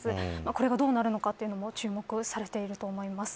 これがどうなるのかというのも注目されていると思います。